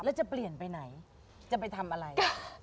แล้วจะเปลี่ยนไปไหนจะไปทำอะไร